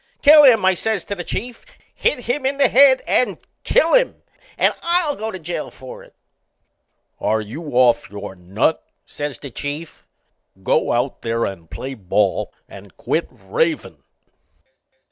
"Kill him!" I says to the Chief. "Hit him in the head and kill him, and I'll go to jail for it!" "Are you off your nut?" says the Chief. "Go out there and play ball and quit ravin'."